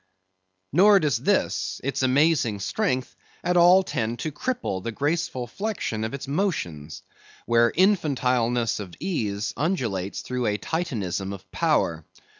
Nor does this—its amazing strength, at all tend to cripple the graceful flexion of its motions; where infantileness of ease undulates through a Titanism of power.